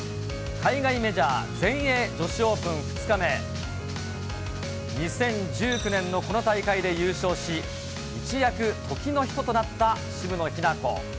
海外メジャー、全英女子オープン２日目、２０１９年のこの大会で優勝し、いいスタートでしたけどね。